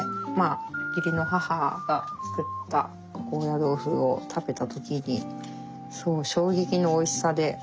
義理の母が作った高野豆腐を食べた時にそう衝撃のおいしさで。